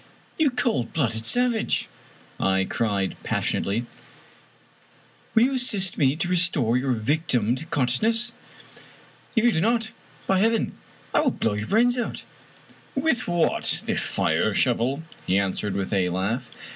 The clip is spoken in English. You cold blooded savage !" I cried passionately, " will you assist me to restore your victim to consciousness ? If you do not, by heaven, I will blow your brains out !" "With what? The fire shovel?" he answered with a laugh.